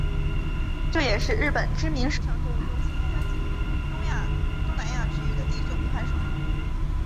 这也是日本知名时尚购物中心三井于东南亚区域的第一座名牌城。